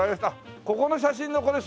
ここの写真のこれそうでしょ？